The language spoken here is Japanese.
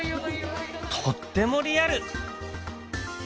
とってもリアル！